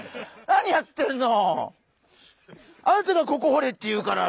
何やってるの！